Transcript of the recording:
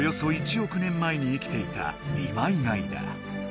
おく年前に生きていた二枚貝だ。